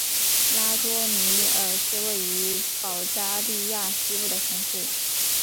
拉多米尔是位于保加利亚西部的城市。